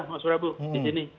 mas surabu disini